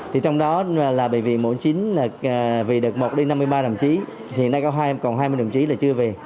thì trong đó là bệnh viện chín mươi chín là vì đợt một đến năm mươi ba đồng chí hiện nay còn hai mươi đồng chí là chưa về